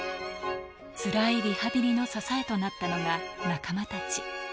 つらいリハビリの支えとなったのが、仲間たち。